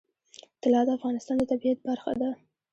طلا د افغانستان د طبیعت برخه ده.